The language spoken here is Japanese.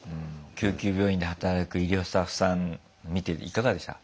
救急病院で働く医療スタッフさん見ていかがでした？